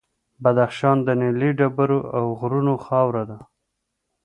بدخشان د نیلي ډبرو او غرونو خاوره ده.